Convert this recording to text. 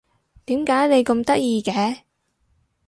點解你咁得意嘅？